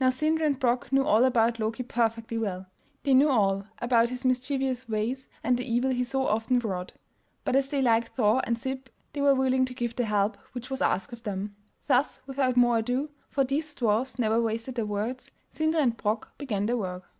Now Sindri and Brok knew all about Loki perfectly well; they knew all about his mischievous ways and the evil he so often wrought, but as they liked Thor and Sib they were willing to give the help which was asked of them. Thus without more ado, for these dwarfs never wasted their words, Sindri and Brok began their work.